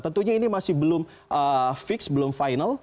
tentunya ini masih belum fix belum final